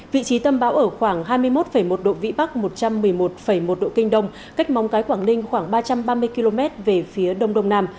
vị trí tâm bão ở khoảng hai mươi một một độ vĩ bắc một trăm một mươi một một độ kinh đông cách mong cái quảng ninh khoảng ba trăm ba mươi km về phía đông đông nam